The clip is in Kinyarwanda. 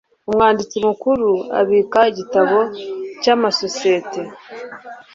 umwanditsi mukuru abika igitabo cy amasosiyete